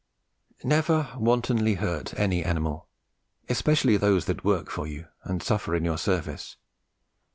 Never wantonly hurt any animal, especially those that work for you and suffer in your service.